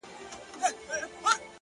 o د ژوند دوهم جنم دې حد ته رسولی يمه ـ